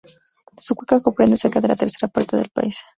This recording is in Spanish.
Su cuenca comprende cerca de la tercera parte del país.